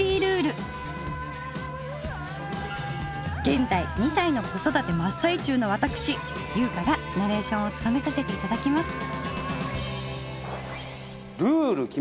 げんざい２歳の子育て真っ最中の私優香がナレーションをつとめさせていただきます！